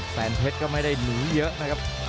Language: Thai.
แสนเพชรก็ไม่ได้หนีเยอะนะครับ